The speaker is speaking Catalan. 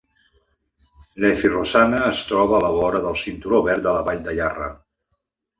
Leafy Rosanna es troba a la vora del cinturó verd de la Vall de Yarra.